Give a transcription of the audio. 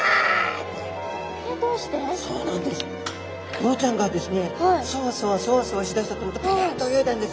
ボウちゃんがですねそわそわそわそわしだしたと思ったらぴゅっと泳いだんです。